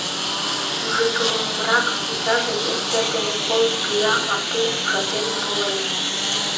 Южо чулымрак йочаже вес сер дене кол пӱя марте ужатен толеш.